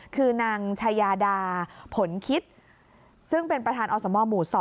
คือนางชายาดาผลคิดซึ่งเป็นประธานอสมหมู่๒